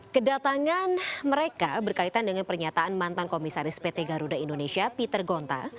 kedatangan mereka berkaitan dengan pernyataan mantan komisaris pt garuda indonesia peter gonta